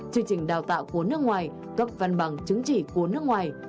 chương trình đào tạo của nước ngoài cấp văn bằng chứng chỉ của nước ngoài